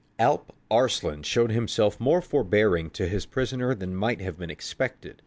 _) Alp Arslan showed himself more forbearing to his prisoner than might have been expected.